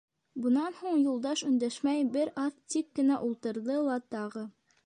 Бынан һуң Юлдаш өндәшмәй, бер аҙ тик кенә ултырҙы ла тағы: